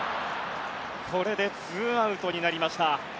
これでツーアウトになりました。